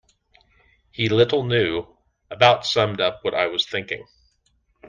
He little knew, about summed up what I was thinking.